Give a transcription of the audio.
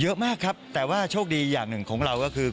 เยอะมากครับแต่ว่าโชคดีอย่างหนึ่งของเราก็คือ